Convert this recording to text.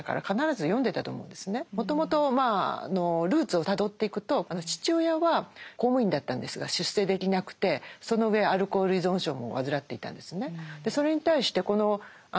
もともとルーツをたどっていくと父親は公務員だったんですが出世できなくてその上アルコール依存症も患っていたんですね。